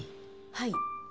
はい。